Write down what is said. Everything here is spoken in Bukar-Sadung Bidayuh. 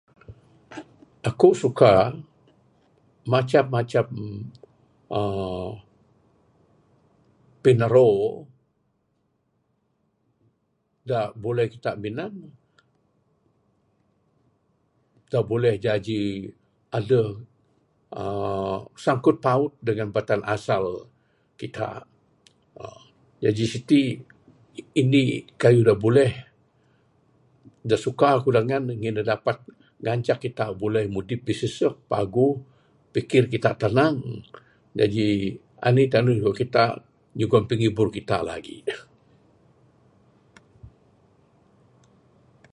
Aku suka macam macam uhh pinaro da boleh kita minan ne da buleh jaji adeh uhh sangkut paut dangan batan asal kita jaji siti indi kayuh da buleh da suka ku dangan ne ngin ne ngancak kita buleh mudip bisesek paguh pikir kita tanang jaji anih paguh gon kita nyugon kita pingibur lagi.